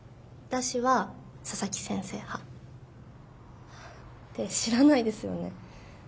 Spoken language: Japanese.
私は佐々木先生派。って知らないですよね。